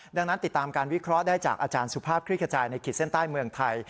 ดังนั้นติดตามการวิเคราะห์ได้จากอาจารย์สุภาพคลิกขจายในขีดเส้นใต้เมืองไทย